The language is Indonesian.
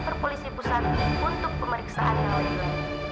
ke polisi pusat untuk pemeriksaan nilai